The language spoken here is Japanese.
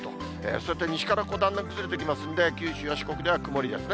そうやって西からどんどん崩れてきますんで、九州や四国では曇りですね。